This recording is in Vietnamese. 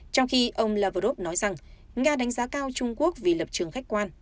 trong khi ông lavrov nói rằng nga đánh giá cao trung quốc vì lập trường khách quan